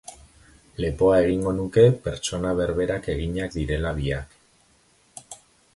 Lepoa egingo nuke pertsona berberak eginak direla biak.